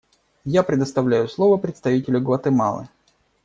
Я предоставляю слово представителю Гватемалы.